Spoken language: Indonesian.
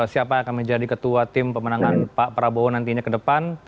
siapa yang akan menjadi ketua tim pemenangan pak prabowo nantinya ke depan